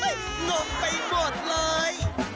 โอ๊ยโง่งไปหมดเลย